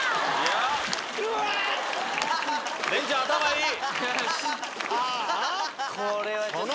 廉ちゃん頭いい！